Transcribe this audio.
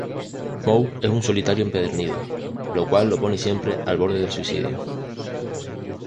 Moe es un solitario empedernido, lo cual lo pone siempre al borde del suicidio.